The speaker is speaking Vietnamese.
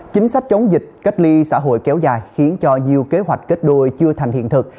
chính sách chống dịch cách ly xã hội kéo dài khiến cho nhiều kế hoạch kết đôi chưa thành hiện thực